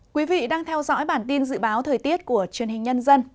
quý vị đang theo dõi bản tin dự báo thời tiết của truyền hình nhân dân